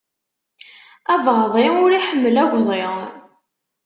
Abeɣḍi ur iḥemmel agḍi.